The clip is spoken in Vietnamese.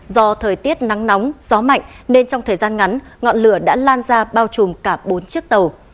do thời tiết nắng nóng gió mạnh nên trong thời gian ngắn ngọn lửa đã lan ra bao trùm cả bốn chiếc tàu